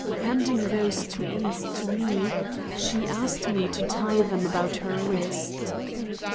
Handing those two ends to me, she asked me to tie them about her wrist.